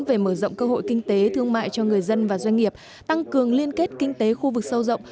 về mở rộng cơ hội kinh tế thương mại cho người dân và doanh nghiệp tăng cường liên kết kinh tế khu vực sâu rộng